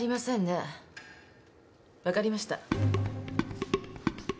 分かりました。